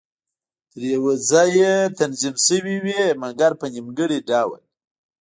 تر یوه ځایه تنظیم شوې وې، مګر په نیمګړي ډول.